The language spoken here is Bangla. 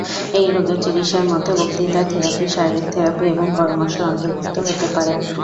এই রোগের চিকিৎসার মধ্যে বক্তৃতা থেরাপি, শারীরিক থেরাপি, এবং পরামর্শ অন্তর্ভুক্ত হতে পারে।